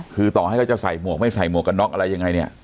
คือต่อให้เขาจะใส่หมวกไม่ใส่หมวกกันน็อกอะไรยังไงเนี่ย